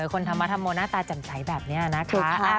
คนธรรมธรรโมหน้าตาแจ่มใสแบบนี้นะคะ